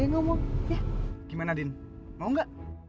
gimana din mau gak